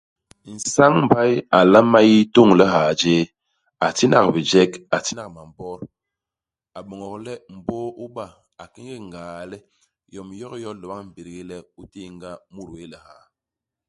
Nsañ-mbay a nlama yi tôñ lihaa jéé, a tinak bijek, a tinak mambot, a mboñok le mbôô u ba, a kéñék ngahaa le yom yokiyo i lo bañ i mbégdé le i téénga mut wéé lihaa.